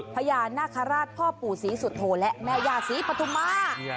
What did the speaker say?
พญานาคาราชพ่อปู่ศรีสุโธและแม่ย่าศรีปฐุมา